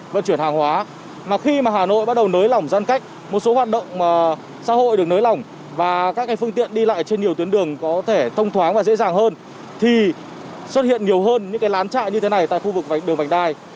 vì lại trên nhiều tuyến đường có thể thông thoáng và dễ dàng hơn thì xuất hiện nhiều hơn những cái lán chạy như thế này tại khu vực đường bành đai